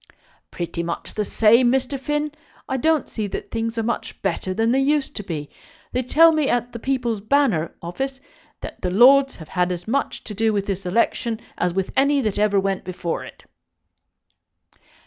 "Pretty much the same, Mr. Finn. I don't see that things are much better than they used to be. They tell me at the People's Banner office that the lords have had as much to do with this election as with any that ever went before it."